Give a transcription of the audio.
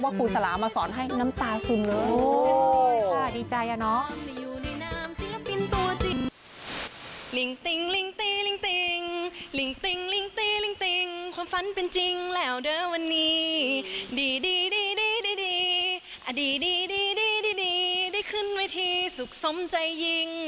ครูสลามาสอนให้น้ำตาซึมเลย